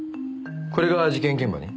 これが事件現場に？